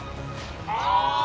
ああ！